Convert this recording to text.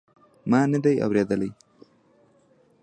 ما ندي اورېدلي.